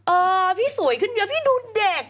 เออพี่สวยขึ้นเยอะพี่ดูเด็ก